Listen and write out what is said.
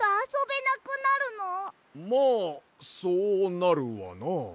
まあそうなるわな。